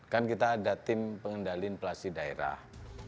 kan kita ada tim pengendali inflasi daerah